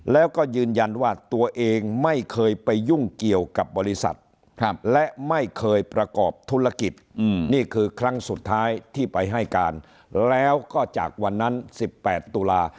แล้วก็ยืนยันว่าตัวเองไม่เคยไปยุ่งเกี่ยวกับบริษัทและไม่เคยประกอบธุรกิจนี่คือครั้งสุดท้ายที่ไปให้การแล้วก็จากวันนั้น๑๘ตุลา